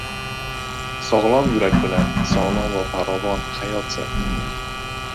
Sog‘lom yurak bilan sog‘lom va farovon hayot sari